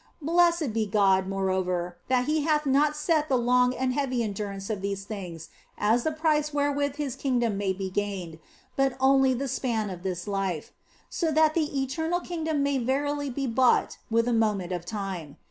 Blessed be God, moreover, in that He hath not set the long and heavy endurance of these things as the price wherewith His kingdom may be gained, but only the span of this life ; so that the eternal kingdom may verily be bought with a moment of time.